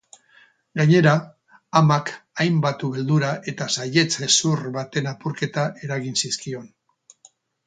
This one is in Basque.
Gainera, amak hainbat ubeldura eta saihets-hezur baten apurketa eragin zizkion.